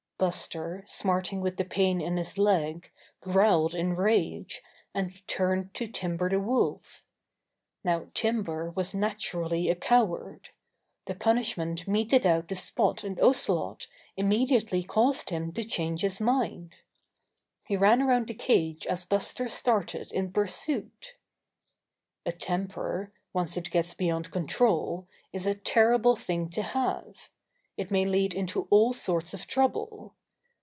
Buster, smarting with the pain in his leg, growled in rage, and turned to Timber the Wolf. Now Timber was naturally a coward. The punishment meted out to Spot and Ocelot immediately caused him to change his mind. He ran around the cage as Buster started in pursuit. A temper, once it gets beyond control, is a terrible thing to have. It may lead into all sorts of trouble.